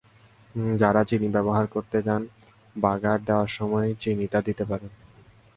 যাঁরা চিনি ব্যবহার করতে চান, বাগার দেওয়ার সময় চিনিটা দিতে পারেন।